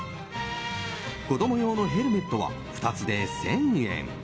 子供用のヘルメットは２つで１０００円。